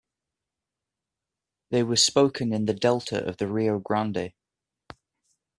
They were spoken in the delta of the Rio Grande.